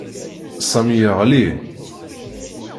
Sami yeɣli.